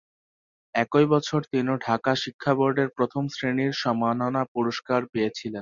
একই বছর তিনি ঢাকা শিক্ষা বোর্ডের প্রথম শ্রেণীর সম্মাননা পুরস্কার পেয়েছিলেন।